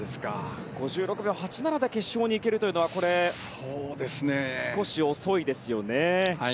５６秒８７で決勝にいけるというのは少し遅いですよね。